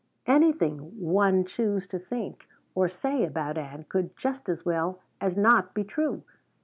Anything one choose to think or say about Ann could just as well as not be true.